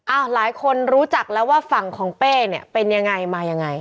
หลายคนรู้จักแล้วว่าฝั่งของเป้เนี่ยเป็นยังไงมายังไง